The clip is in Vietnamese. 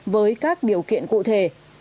với các điều kiện cụ thể